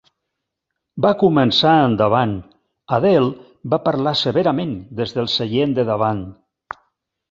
Va començar endavant, Adele va parlar severament des del seient de davant.